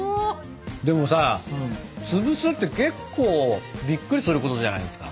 でもさつぶすって結構びっくりすることじゃないですか。